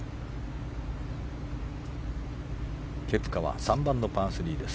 ケプカは３番のパー３です。